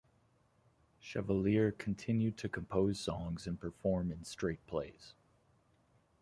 Chevalier continued to compose songs and perform in straight plays.